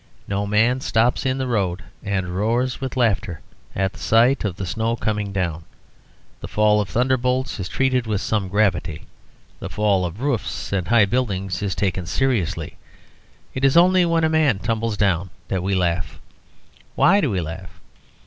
No man stops in the road and roars with laughter at the sight of the snow coming down. The fall of thunderbolts is treated with some gravity. The fall of roofs and high buildings is taken seriously. It is only when a man tumbles down that we laugh. Why do we laugh?